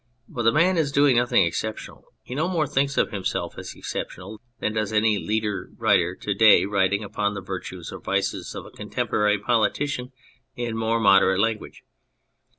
But the man is doing nothing exceptional. He no more thinks of himself as exceptional than does any leader writer to day writing upon the virtues or vices of a contemporary politician in more moderate language.